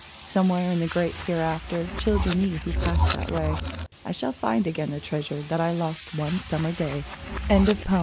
Somewhere in the great hereafter, Children, ye who pass this way, I shall find again the treasure That 1 lost one summer day I ONCE!